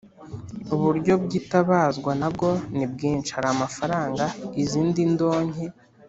Uburyo bwitabazwa na bwo ni bwinshi. Hari amafaranga, izindi ndonke